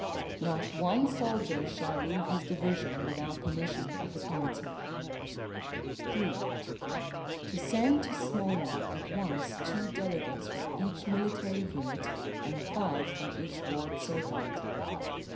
Not one soldier shall leave his division without permission of the Committee. 3. To send to Smolny at once two delegates from each military unit and five from each Ward Soviet.